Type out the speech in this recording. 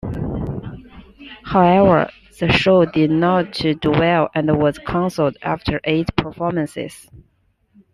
However, the show did not do well and was cancelled after eight performances.